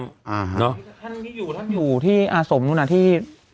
ท่านที่อยู่ท่านอยู่ที่อาสมนู่นน่ะที่